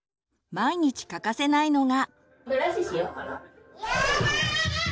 毎日欠かせないのが。